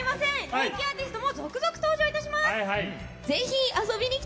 人気アーティストも続々登場いたします。